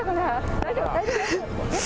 大丈夫？